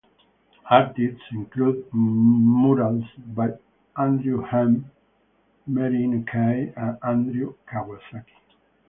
Artists include: Murals by Andrew Hem, Mari Inukai, and Audrey Kawasaki.